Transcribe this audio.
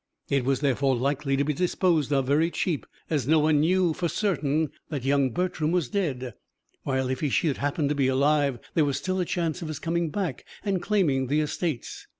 It was therefore likely to be disposed of very cheap, as no one knew for certain that young Bertram was dead; while if he should happen to be alive, there was still a chance of his coming back and claiming the estates.